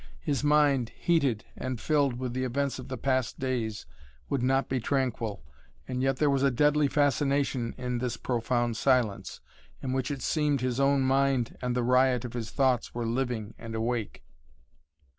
His mind, heated and filled with the events of the past days, would not be tranquil. And yet there was a deadly fascination in this profound silence, in which it seemed his own mind and the riot of his thoughts were living and awake.